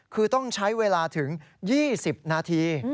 คือต้องใช้เวลาถึง๒๐นาที